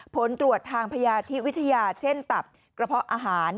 ผลตรวจทางพยาธิวิทยาเช่นตับกระเพาะอาหาร